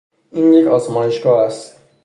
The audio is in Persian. این یک آزمایشگاه است.